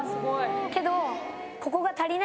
けど。